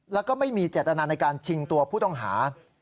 แล้วก็ไม่มีเจตนาในการชิงตัวผู้ต้องหา